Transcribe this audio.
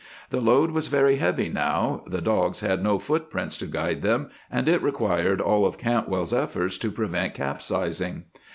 The load was very heavy now, the dogs had no footprints to guide them, and it required all of Cantwell's efforts to prevent capsizing.